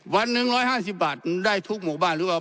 วันหนึ่งร้อยห้าสิบบาทได้ทุกหมู่บ้านหรือเปล่า